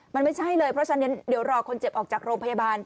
มันไม่ใช่เลยเพราะฉะนั้นเดี๋ยวรอคนเจ็บออกจากโรงพยาบาล